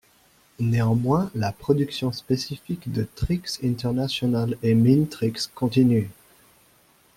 Néanmoins la production spécifique de Trix International et Minitrix continue.